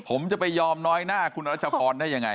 ผมจะไปยอมน้อยหน้าคุณรัชพรได้ยังไง